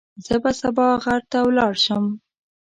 زه به سبا غر ته ولاړ شم.